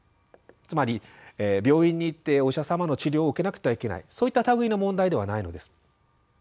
つまり病院に行ってお医者様の治療を受けなくてはいけないそういった類いの問題ではないのです。